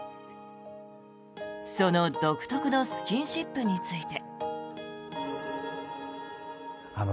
その独特のスキンシップについて。